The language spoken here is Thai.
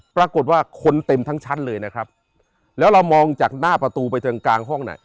ปรากฏว่าคนเต็มทั้งชั้นเลยนะครับแล้วเรามองจากหน้าประตูไปทางกลางห้องน่ะ